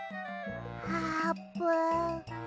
あーぷん。